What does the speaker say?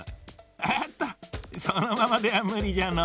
おおっとそのままではむりじゃのう。